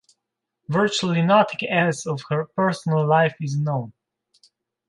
Virtually nothing else of her personal life is known.